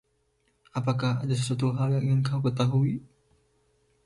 Apakah ada sesuatu hal yang ingin kau ketahui?